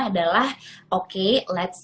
adalah oke let's